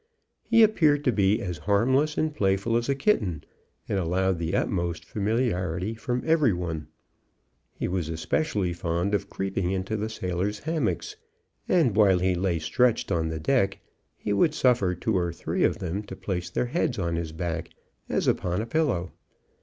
He appeared to be as harmless and playful as a kitten, and allowed the utmost familiarity from every one. He was especially fond of creeping into the sailors' hammocks; and while he lay stretched on the deck, he would suffer two or three of them to place their heads on his back, as upon a pillow.